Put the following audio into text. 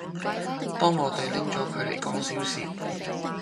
當我地拎左佢黎講笑時